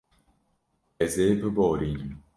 Ez ê biborînim.